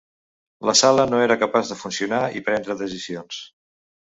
La Sala no era capaç de funcionar i prendre decisions.